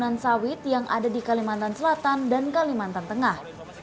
pertanian sawit yang ada di kalimantan selatan dan kalimantan tengah